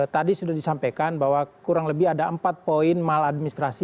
tadi sudah disampaikan bahwa kurang lebih ada empat poin maladministrasi